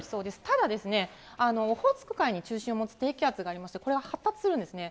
ただ、オホーツク海に中心を持つ低気圧がありまして、これは発達するんですね。